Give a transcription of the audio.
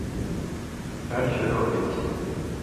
چھاڑیۡ شروع ہُوی تھی۔